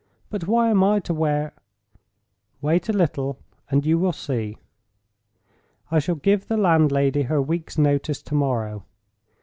But why am I to wear—" "Wait a little, and you will see. I shall give the landlady her week's notice to morrow.